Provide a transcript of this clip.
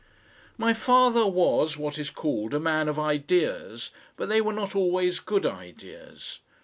My father was what is called a man of ideas, but they were not always good ideas.